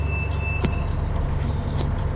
پر دغي څوکۍ باندې مي خپلي کیلي ګاني ایښې وې.